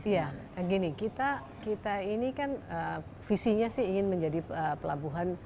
ya gini kita ini kan visinya sih ingin menjadi pelabuhan